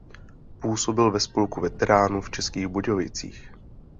Působil ve spolku veteránů v Českých Budějovicích.